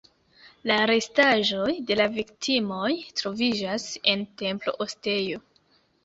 La restaĵoj de la viktimoj troviĝas en templo-ostejo.